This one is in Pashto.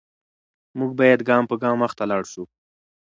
موږ باید ګام په ګام مخته لاړ شو.